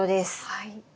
はい。